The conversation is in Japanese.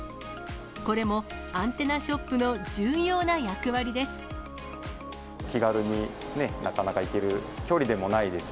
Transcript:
これもアンテナショップの重要な役割です。